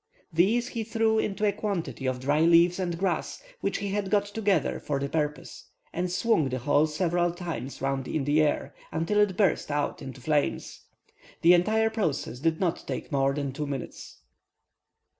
These he threw into a quantity of dry leaves and grass which he had got together for the purpose, and swung the whole several times round in the air, until it burst out into flames. The entire process did not take more than two minutes.